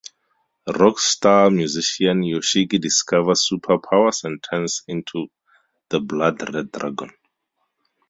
Rock star musician Yoshiki discovers super powers and turns into the Blood Red Dragon.